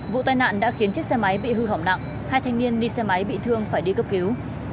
vụ tai nạn đã khiến chiếc xe máy bị hư hỏng nặng hai thanh niên đi xe máy bị thương phải đi cấp cứu